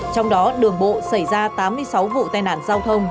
trong đó đường bộ xảy ra tám mươi sáu vụ tai nạn giao thông